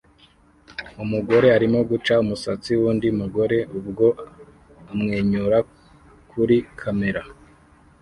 Umugore arimo guca umusatsi wundi mugore ubwo amwenyura kuri kamera